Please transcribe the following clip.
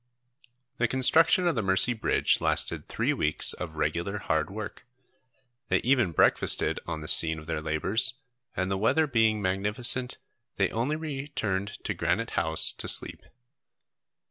The construction of the Mercy bridge lasted three weeks of regular hard work. They even breakfasted on the scene of their labours, and the weather being magnificent, they only returned to Granite House to sleep.